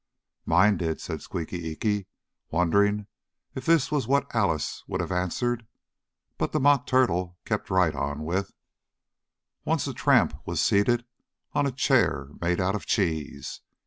"Mine did," said Squeaky Eeky, wondering if this was what Alice would have answered. But the Mock Turtle kept right on with: "Once a tramp was seated on A chair made out of cheese.